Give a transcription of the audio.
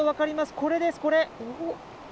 これです、これ。